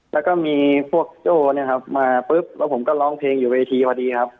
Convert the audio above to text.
แล้วก็มีพวกโจ้เนี่ยครับมาปุ๊บแล้วผมก็ร้องเพลงอยู่เวทีพอดีครับ